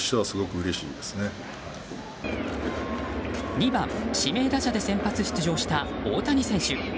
２番指名打者で先発出場した大谷翔平選手。